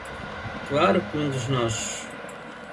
Claro que um dos nossos